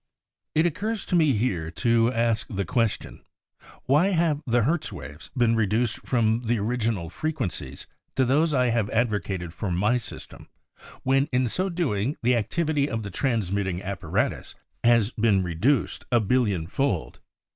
It occurs to me here to ask the question — why have the Hertz waves been reduced from the original frequencies to those I have advocated for my system, when in so doing the activity of the transmitting ap paratus has been reduced a billion fold?